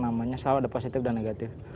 kita melihat sesuatu selalu ada positif dan negatif